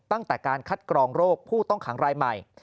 ตั้งแต่การคัดกรองโรคผู้ต้องขังรายใหม่